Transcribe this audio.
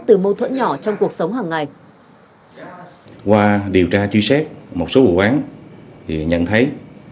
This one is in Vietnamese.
từ mâu thuẫn nhỏ trong cuộc sống hàng ngày